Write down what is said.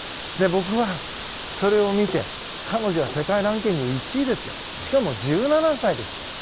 僕は、それを見て、彼女は世界ランキング１位ですよ。しかも１７歳です。